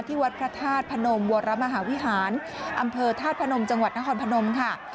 วัดพระธาตุพนมวรมหาวิหารอำเภอธาตุพนมจังหวัดนครพนมค่ะ